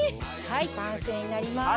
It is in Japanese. はい完成になります。